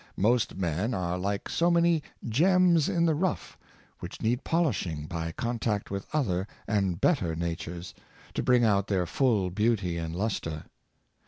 Most men are like so many gems in the rough, which need polishing by contact with other and better natures, to bring out their full beauty and lustre.